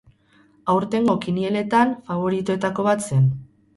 Aurtengo kinieletan, faboritoetako bat zen.